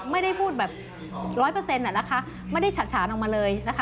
ไม่ได้พูดแบบร้อยเปอร์เซ็นต์นะคะไม่ได้ฉะฉานออกมาเลยนะคะ